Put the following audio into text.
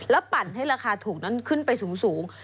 ปั่นให้ราคาถูกนั้นขึ้นไปสูง